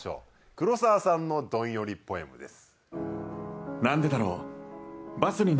黒沢さんのどんよりポエムです。